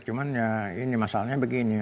cuman ya ini masalahnya begini